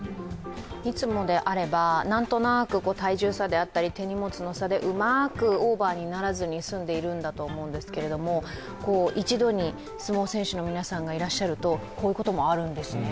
いつもであればなんとなく、体重差であったり、手荷物の差でうまくオーバーにならずに済んでいるんだと思うんですけれども、一度に相撲選手の皆さんがいらっしゃるとこういうこともあるんですね。